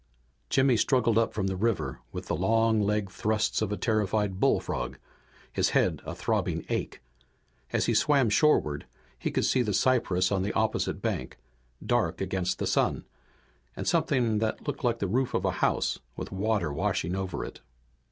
Jimmy struggled up from the river with the long leg thrusts of a terrified bullfrog, his head a throbbing ache. As he swam shoreward he could see the cypresses on the opposite bank, dark against the sun, and something that looked like the roof of a house with water washing over it.